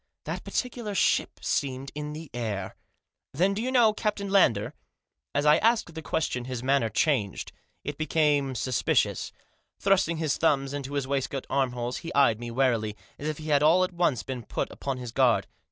That particular ship seemed in the air. " Then do you know Captain Lander ?" As I asked the question his manner changed. It became suspicious. Thrusting his thumbs into his Digitized by LUKE. 205 waistcoat armholes he eyed me warily, as if he had all at once been put upon his guard.